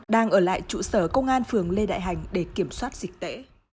đang ở lại trụ sở công an phường lê đại hành để kiểm soát dịch tễ